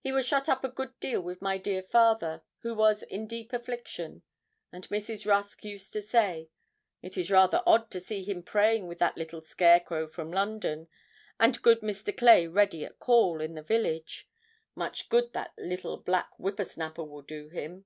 He was shut up a good deal with my dear father, who was in deep affliction; and Mrs. Rusk used to say, 'It is rather odd to see him praying with that little scarecrow from London, and good Mr. Clay ready at call, in the village; much good that little black whipper snapper will do him!'